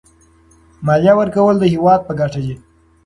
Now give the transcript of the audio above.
مالیه ورکول د هېواد په ګټه دي.